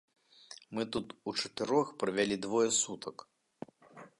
Мы тут учатырох правялі двое сутак.